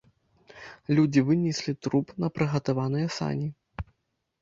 Людзі вынеслі труп на прыгатаваныя сані.